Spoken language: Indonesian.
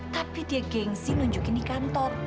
tapi dia gengsi nunjukin di kantor